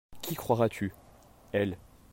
Qui croiras-tu ?- Elle.